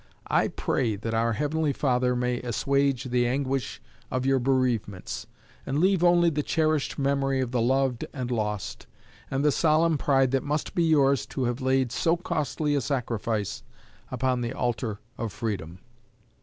I pray that our Heavenly Father may assuage the anguish of your bereavements, and leave only the cherished memory of the loved and lost, and the solemn pride that must be yours to have laid so costly a sacrifice upon the altar of freedom.